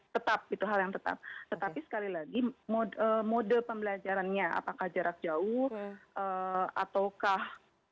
tetap itu hal yang tetap tetapi sekali lagi mode pembelajarannya apakah jarak jauh ataukah